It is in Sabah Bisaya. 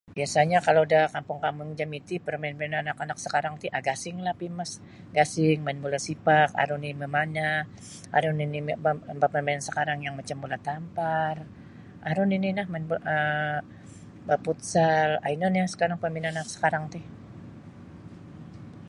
Biasa'nyo kalau da kampung-kampung jami' ti parmainan-parmainan anak-anak sakarang ti um gasinglah femes gasing main bola sipak aru nini' mamanah aru nini' mama permainan anak sakarang macam bola tampar aru nini' ino um bafutsal um ino nio sakarang parmainan anak sakarang ti.